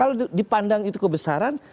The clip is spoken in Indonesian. kalau dipandang itu kebesaran